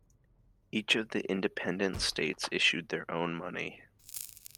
Each of the independent states issued their own money.